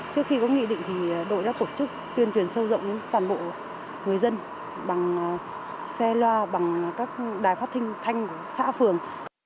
trước khi có nghị định thì đội đã tổ chức tuyên truyền sâu rộng đến toàn bộ người dân bằng xe loa bằng các đài phát thanh của xã phường